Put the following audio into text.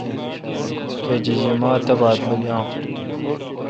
بہ جیجیما تہ بات یاں۔